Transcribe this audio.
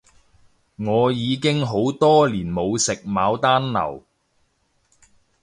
我已經好多年冇食牡丹樓